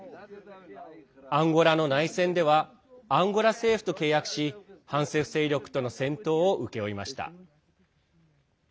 アンゴラの内戦ではアンゴラ政府と契約し反政府勢力との戦闘を請け負いました。